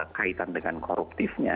kaitan dengan koruptifnya